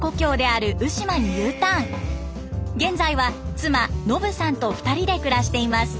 現在は妻伸さんと２人で暮らしています。